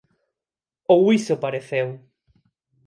ou iso pareceu.